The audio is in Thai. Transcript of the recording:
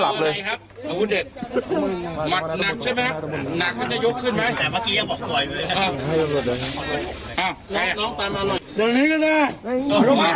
ลงมาลงมาเลยลงมาเลยตัวตัวเดี๋ยวเดี๋ยวใจเย็นใจเย็น